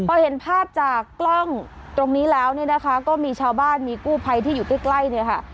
พอเห็นภาพจากกล้องตรงนี้แล้วเนี่ยนะคะก็มีชาวบ้านมีกู้ภัยที่อยู่ใกล้เนี่ยค่ะ